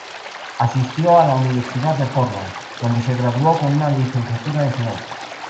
Asistió a la Universidad de Portland, donde se graduó con una licenciatura en finanzas.